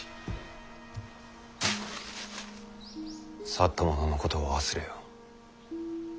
去った者のことは忘れよ。